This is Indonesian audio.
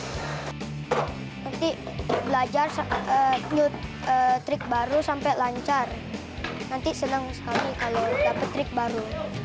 nanti belajar trik baru sampai lancar nanti senang sekali kalau dapat trik baru